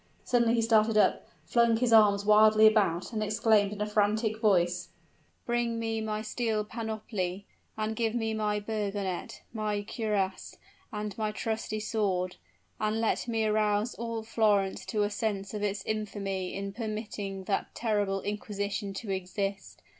Suddenly he started up flung his arms wildly about and exclaimed, in a frantic voice, "Bring me my steel panoply! give me my burgonet my cuirass and my trusty sword; and let me arouse all Florence to a sense of its infamy in permitting that terrible inquisition to exist!